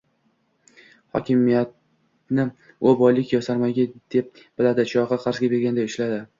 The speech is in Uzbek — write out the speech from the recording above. Hurmatni u boylik yo sarmoya deb biladi chog’i, qarzga berganday ulashadi.